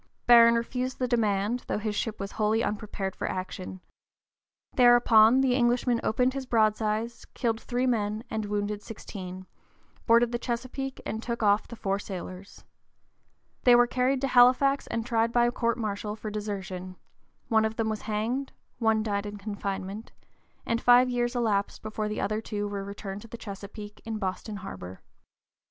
Barron refused the demand, though his ship was wholly unprepared for action. Thereupon the Englishman opened his broadsides, killed three men and wounded sixteen, boarded the Chesapeake and took off the four sailors. They were carried to Halifax and tried by court martial for desertion: one of them was hanged; one died in confinement, and five years elapsed before the other two were returned to the Chesapeake in Boston harbor.